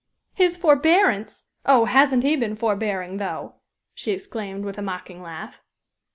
"His forbearance! Oh! hasn't he been forbearing, though!" she exclaimed, with a mocking laugh.